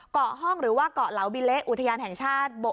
เกาะห้องหรือว่าเกาะเหลาบิเละอุทยานแห่งชาติ